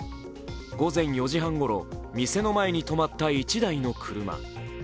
午前４時半ごろ、店の前に止まった１室の車。